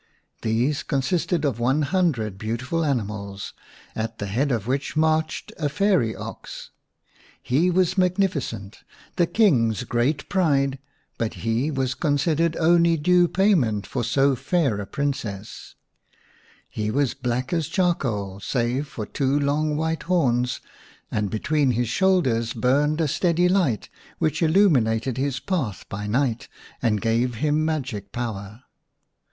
These consisted of one hundred beautiful animals, at the head of which marched a fairy ox. / He was magnifi cent, the King's great pride, but he was con 35 The Shining Princess iv sidered only due payment for so fair a Princess. He was black as charcoal, save for two long white horns, and between his shoulders burned a steady light, which illumined his path by night and gave him magic power.